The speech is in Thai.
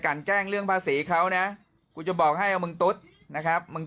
แกล้งเรื่องภาษีเขานะกูจะบอกให้เอามึงตุ๊ดนะครับมึง